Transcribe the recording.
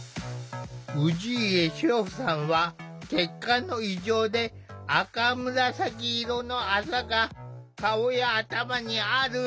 氏家志穂さんは血管の異常で赤紫色のあざが顔や頭にある。